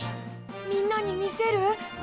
みんなに見せる？